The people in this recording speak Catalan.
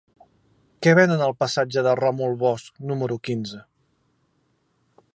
Què venen al passatge de Ròmul Bosch número quinze?